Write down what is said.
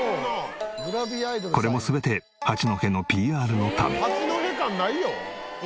これも全て八戸のＰＲのため。